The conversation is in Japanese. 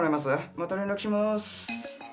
また連絡しまーす。